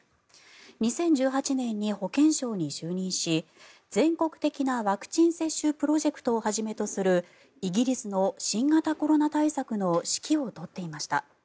２０１８年に保健相に就任し全国的なワクチン接種プロジェクトをはじめとするイギリスの新型コロナ対策の指揮を執っていました。